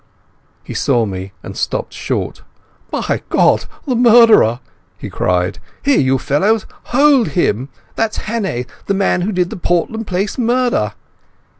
He saw me and stopped short. "By God, the murderer!" he cried. "Here, you fellows, hold him! That's Hannay, the man who did the Portland Place murder!"